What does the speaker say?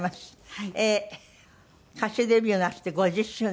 ええー歌手デビューなすって５０周年？